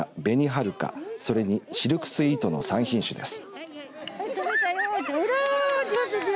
はるか、シルクスイートの３品種です。